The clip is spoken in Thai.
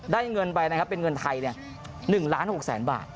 ได้เงินใบเป็นเงินไทย๑ล้าน๖แสนบาท